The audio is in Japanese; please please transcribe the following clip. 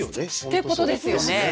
っていうことですよね。